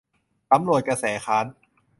สำรวจกระแสค้าน